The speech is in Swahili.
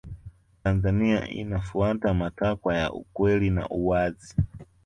tanzania inafuata matakwa ya ukweli na uwazi